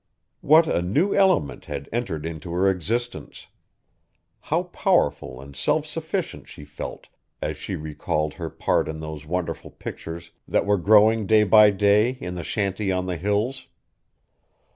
What a new element had entered into her existence! How powerful and self sufficient she felt as she recalled her part in those wonderful pictures that were growing day by day in the shanty on the Hills!